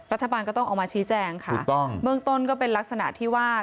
รัฐบาลก็ต้องออกมาชี้แจงค่ะถูกต้องเบื้องต้นก็เป็นลักษณะที่ว่า